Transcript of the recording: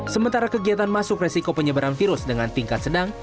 sementara kegiatan masuk resiko penyebaran virus dengan tingkat sedang